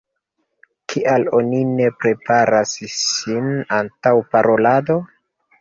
Kial oni ne preparas sin antaŭ parolado?